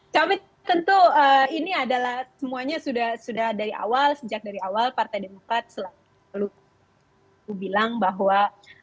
kami tentu ini adalah semuanya sudah dari awal sejak dari awal partai demokrat selalu bilang bahwa